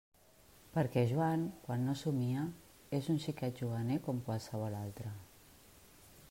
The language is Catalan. Perquè Joan, quan no somnia, és un xiquet juganer com qualsevol altre.